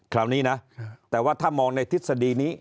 คราวนี้นะแต่ว่าถ้ามองในทฤษฎีนี้